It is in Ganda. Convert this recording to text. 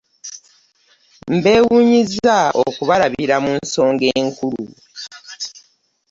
Mbeewuunyizza okubalaatira mu nsonga enkulu!